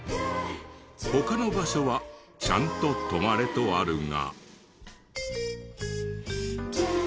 他の場所はちゃんと「止まれ」とあるが。